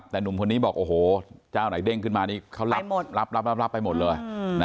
แต่หนุ่มคนนี้บอกโอ้โหเจ้าไหนเด้งขึ้นมานี่เขารับไปหมดเลย